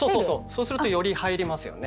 そうするとより入りますよね。